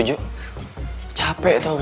itu udah menarik tuh gue setuju